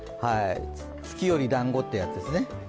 月より団子ってやつですね。